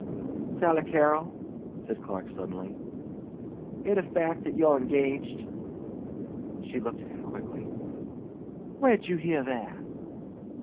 "Sally Carrol," said Clark suddenly, "it a fact that you're engaged?" She looked at him quickly. "Where'd you hear that?"